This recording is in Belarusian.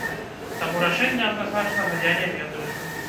Таму рашэння адназначнага я не ведаю.